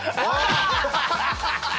ハハハハ！